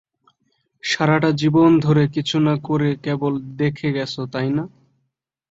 সারাটা জীবন ধরে কিছু না করে কেবল দেখে গেছো, তাই না?